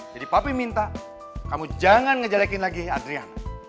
jadi papi minta kamu jangan ngejelekin lagi adriana